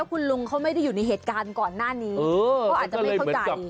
คุณลุงเขาไม่ได้อยู่ในเหตุการณ์ก่อนหน้านี้เขาอาจจะไม่เข้าใจ